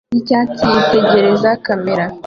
yicyatsi yitegereza kamera